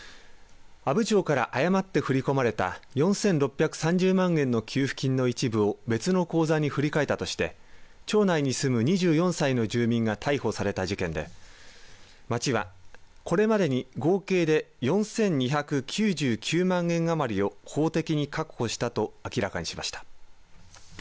阿武町から誤って振り込まれた４６３０万円の給付金の一部を別の口座に振り替えたとして町内に住む２４歳の住民が逮捕された事件で町は、これまでに合計で４２９９万円余りを法的に確保したと明らかにしました。